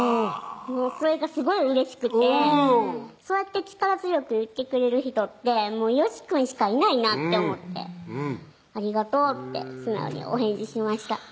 それがすごいうれしくてうんそうやって力強く言ってくれる人ってよしくんしかいないなって思って「ありがとう」って素直にお返事しました